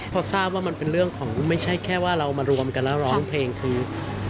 พอทราบว่ามันเป็นเรื่องของไม่ใช่แค่ว่าเรามารวมกันแล้วร้องเพลงคือ